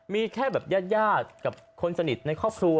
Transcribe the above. มีแค่แบบญาติกับคนสนิทในครอบครัว